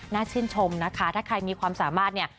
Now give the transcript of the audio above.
ชื่นชมนะคะถ้าใครมีความสามารถเนี่ย